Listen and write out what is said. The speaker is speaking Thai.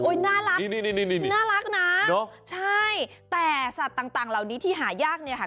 โอ้ยน่ารักน่ารักนะใช่แต่สัตว์ต่างเหล่านี้ที่หายาก